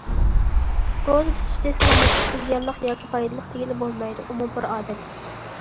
روزا تۇتۇشنى سالامەتلىككە زىيانلىق ياكى پايدىلىق دېگىلىمۇ بولمايدۇ، ئۇمۇ بىر ئادەت.